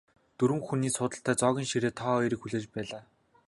Дөрвөн хүний суудалтай зоогийн ширээ тэр хоёрыг хүлээж байлаа.